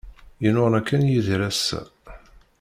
Yennuɣna kan Yidir ass-a.